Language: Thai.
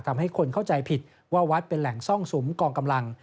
ทำให้คนเข้าใจผิดว่าวัดเป็นแหล่งซ่องสุมกองกำลัง